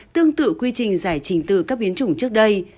tương tự quy trình giải trình từ các biến chủng trước đây